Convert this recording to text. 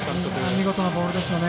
見事なボールですよね。